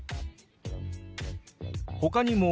ほかにも。